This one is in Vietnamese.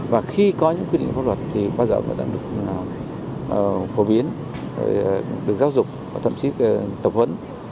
và khi có những quy định pháp luật thì bao giờ người ta được phổ biến được giáo dục và thậm chí tập huấn